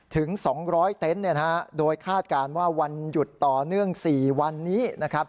ถึง๒๐๐เต็นต์โดยคาดการณ์ว่าวันหยุดต่อเนื่อง๔วันนี้นะครับ